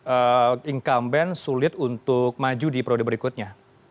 ini yang membuat incumbent sulit untuk maju di periode berikutnya